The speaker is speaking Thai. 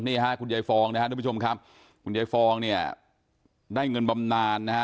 นี่ฮะคุณยายฟองนะครับทุกผู้ชมครับคุณยายฟองเนี่ยได้เงินบำนานนะฮะ